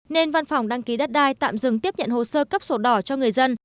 nên văn phòng đăng ký đất đai tạm dừng tiếp nhận hồ sơ cấp sổ đỏ cho người dân